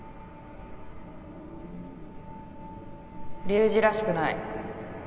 龍二らしくない。